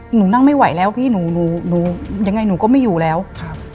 หนูนั่งไม่ไหวแล้วพี่หนูหนูยังไงหนูก็ไม่อยู่แล้วครับ